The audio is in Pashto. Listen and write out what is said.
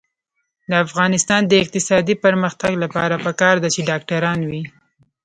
د افغانستان د اقتصادي پرمختګ لپاره پکار ده چې ډاکټران وي.